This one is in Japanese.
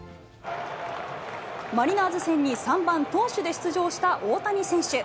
マリナーズ戦に３番投手で出場した大谷選手。